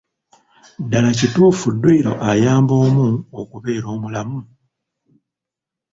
Ddaala kituufu dduyiro ayamba omu okubeera omulamu?